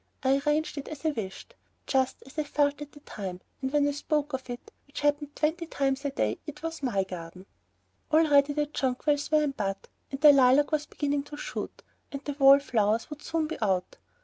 I arranged it as I wished, just as I felt at the time, and when I spoke of it, which happened twenty times a day, it was "My garden." Already the jonquils were in bud and the lilac was beginning to shoot, and the wall flowers would soon be out.